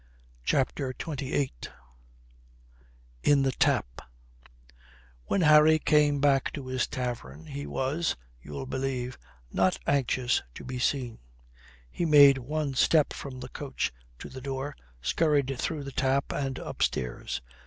CHAPTER XXVIII IN THE TAP When Harry came back to his tavern, he was, you'll believe, not anxious to be seen. He made one step from the coach to the door, scurried through the tap and upstairs.